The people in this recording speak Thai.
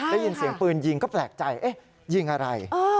ได้ยินเสียงปืนยิงก็แปลกใจเอ๊ะยิงอะไร